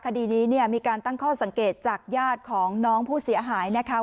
คดีนี้เนี่ยมีการตั้งข้อสังเกตจากญาติของน้องผู้เสียหายนะคะ